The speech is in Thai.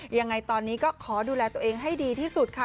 ยังไงตอนนี้ก็ขอดูแลตัวเองให้ดีที่สุดค่ะ